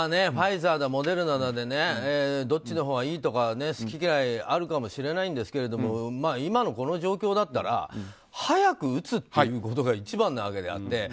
ファイザーだ、モデルナだとどっちのほうがいいとか好き嫌いあるかもしれないんですけれども今のこの状況だったら早く打つということが一番なわけであって。